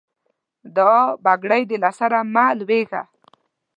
دوعا؛ بګړۍ دې له سره مه لوېږه.